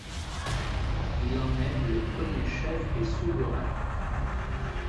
Il en est le premier chef et souverain.